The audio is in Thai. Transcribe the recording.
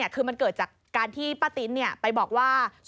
คือมันเกิดจากการที่ป้าติ๊นไปบอกว่า